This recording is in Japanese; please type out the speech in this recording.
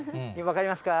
分かりますか？